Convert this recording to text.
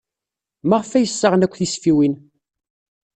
Maɣef ay ssaɣen akk tisfiwin?